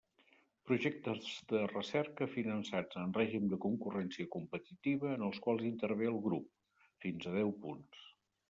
Projectes de recerca finançats en règim de concurrència competitiva en els quals intervé el grup: fins a deu punts.